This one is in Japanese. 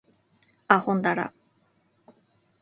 あほんだら